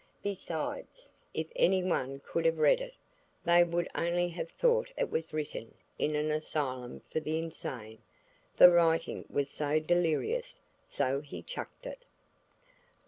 Besides, if any one could have read it, they would only have thought it was written in an asylum for the insane, the writing was so delirious. So he chucked it.